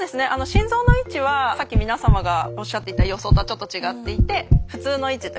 心臓の位置はさっき皆様がおっしゃっていた予想とはちょっと違っていて普通の位置というか。